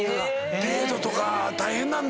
デートとか大変なんだ。